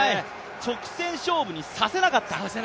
直線勝負にさせなかった。